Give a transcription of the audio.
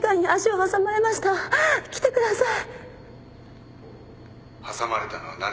早く来てください。